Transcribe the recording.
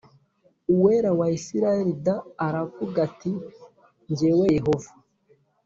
uwera wa isirayeli d aravuga ati jyewe yehova